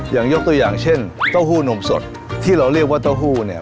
ยกตัวอย่างเช่นเต้าหู้นมสดที่เราเรียกว่าเต้าหู้เนี่ย